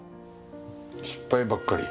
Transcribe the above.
失敗ばっかり？